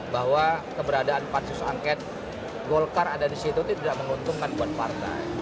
bahwa keberadaan pansus angket golkar ada di situ tidak menguntungkan buat partai